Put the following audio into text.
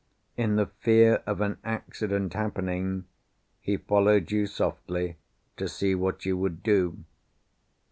In the fear of an accident happening he followed you softly to see what you would do.